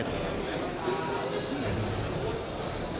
konsultasi tersebut dalam rangka konsultasi dengan presiden